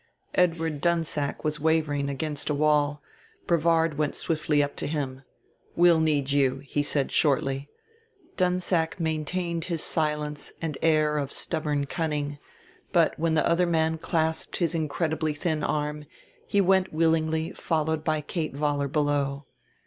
Edward Dunsack was wavering against a wall; Brevard went swiftly up to him. "We'll need you," he said shortly. Dunsack maintained his silence and air of stubborn cunning; but, when the other man clasped his incredibly thin arm, he went willingly followed by Kate Vollar below.